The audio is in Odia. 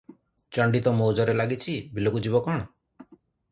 ଚଣ୍ଡି ତ ମୌଜରେ ଲାଗିଛି, ବିଲକୁ ଯିବ କଣ?